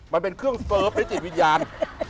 มันเป็นเครื่องเซิร์ฟและจิตวิญญาณ